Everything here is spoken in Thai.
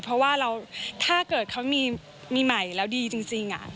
เพราะว่าเราถ้าเกิดเขามีใหม่แล้วดีจริง